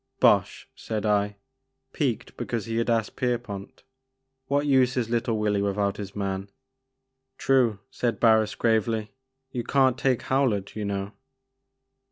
" Bosh," said I, piqued because he had asked Pierpont, "what use is little Willy without his man?" "True," said Barris gravely, "you can't take Howlett you know."